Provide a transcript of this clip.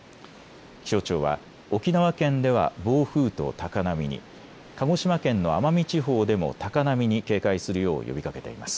気象庁は沖縄県では暴風と高波に、鹿児島県の奄美地方でも高波に警戒するよう呼びかけています。